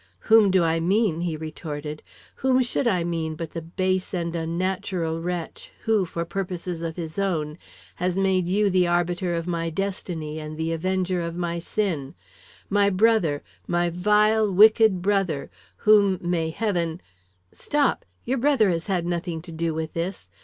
"Whom do I mean?" he retorted. "Whom should I mean but the base and unnatural wretch who, for purposes of his own, has made you the arbitrator of my destiny and the avenger of my sin my brother, my vile, wicked brother, whom may Heaven " "Stop! Your brother has had nothing to do with this.